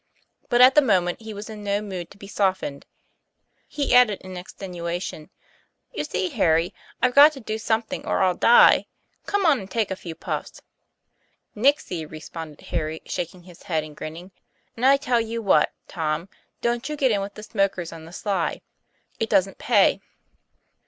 But at the moment he was in no mood to be softened. He added in extenuation: 'You see, Harry, I've got to do something or I'll die. Come on and take a few puffs." "Nixie," responded Harry, shaking his head and grinning, "and I tell you what, Tom, don't you get in with the smokers on the sly. It doesn't pay."